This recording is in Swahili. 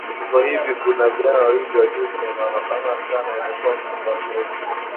Iko hivikuna vijana wawili wa kiume na wanafanana sana imekuwa ngumu kuwatofautisha